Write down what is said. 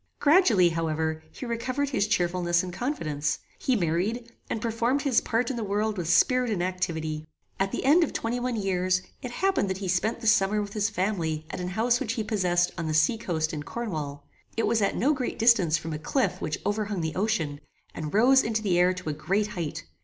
Gradually, however, he recovered his cheerfulness and confidence. He married, and performed his part in the world with spirit and activity. At the end of twenty one years it happened that he spent the summer with his family at an house which he possessed on the sea coast in Cornwall. It was at no great distance from a cliff which overhung the ocean, and rose into the air to a great height.